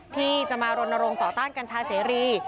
ที่จะมารณรงค์ต่อต้านกัญชาเสรี